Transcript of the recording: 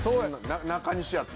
中西やった？